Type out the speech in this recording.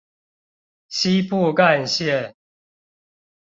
西部幹線